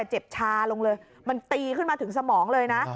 เจ็บชาลงเลยมันตีขึ้นมาถึงสมองเลยนะ